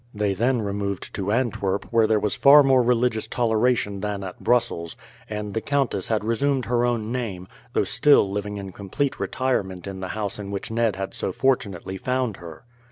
They then removed to Antwerp, where there was far more religious toleration than at Brussels; and the countess had resumed her own name, though still living in complete retirement in the house in which Ned had so fortunately found her.